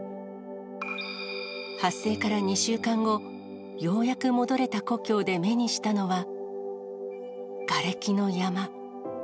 発生から２週間後、ようやく戻れた故郷で目にしたのは、がれきの山。